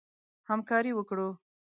همکاري وکړو.